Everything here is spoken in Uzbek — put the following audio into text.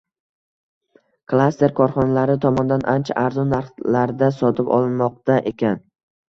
klaster korxonalari tomonidan ancha arzon narxlarda sotib olinmoqda ekan.